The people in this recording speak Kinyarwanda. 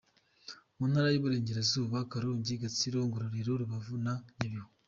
Mu ntara y’Uburengerazuba: Karongi, Rutsiro, Ngororero, Rubavu na Nyabihu .